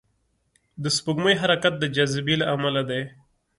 د سپوږمۍ حرکت د جاذبې له امله دی.